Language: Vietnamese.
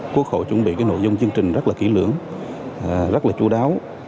quốc hội chuẩn bị cái nội dung chương trình rất là kỹ lưỡng rất là chú đáo